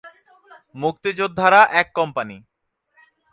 মুক্তিযোদ্ধারা এক কোম্পানি।